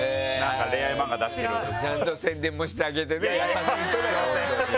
ちゃんと宣伝もしてあげて優しい人だよ。